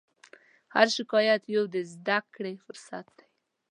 هر شکایت یو د زدهکړې فرصت دی.